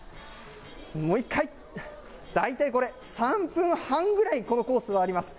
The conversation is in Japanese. もう一回。大体これ、３分半ぐらい、このコースはあります。